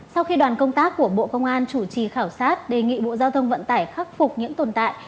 sau khi đoàn công tác của bộ công an chủ trì khảo sát đề nghị bộ giao thông vận tải khắc phục những tồn tại